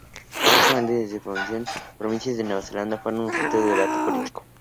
Prácticamente desde su fundación, las provincias de Nueva Zelanda fueron objeto de debate político.